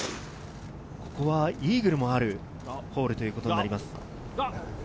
ここはイーグルもあるホールということになります。